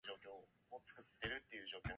Players in bold are still active in the team.